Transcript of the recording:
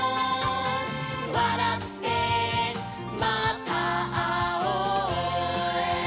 「わらってまたあおう」